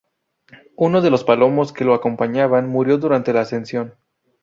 Uno de los palomos que los acompañaban murió durante la ascensión.